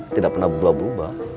tidak pernah berubah berubah